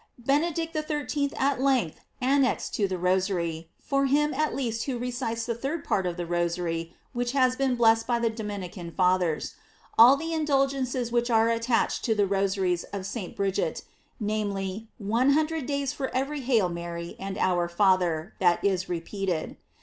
Benedict XIII. at length an nexed to the Rosary (for him at least who re cites the third part of the Rosary which has been blessed by the Dominican Fathers) all the indulgences which are attached to the Rosaries of St. Bridget, namely, one hundred days for every "Hail Mary," and "Our Father" that is repeated.